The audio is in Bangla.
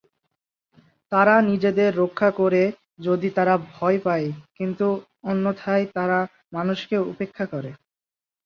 তারা নিজেদের রক্ষা করে যদি তারা ভয় পায়, কিন্তু অন্যথায় তারা মানুষকে উপেক্ষা করে।